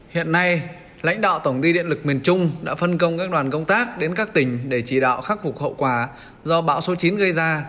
hiện nay lãnh đạo tổng ty điện lực miền trung đã phân công các đoàn công tác đến các tỉnh để chỉ đạo khắc phục hậu quả do bão số chín gây ra